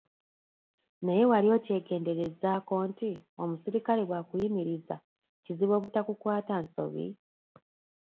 Naye wali okyegenderezzaako nti omusirikale bw'akuyimiriza kizibu obutakukwata nsobi?